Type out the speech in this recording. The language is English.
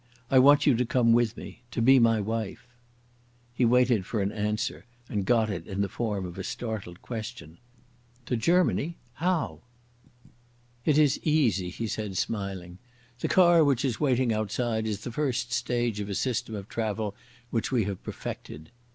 "I want you to come with me—to be my wife." He waited for an answer, and got it in the form of a startled question. "To Germany? How?" "It is easy," he said, smiling. "The car which is waiting outside is the first stage of a system of travel which we have perfected."